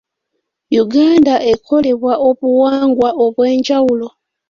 Uganda ekolebwa obuwangwa obw'enjawulo.